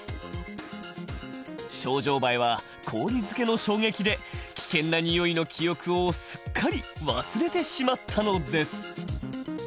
ショウジョウバエは氷漬けの衝撃で危険なにおいの記憶をすっかり忘れてしまったのです。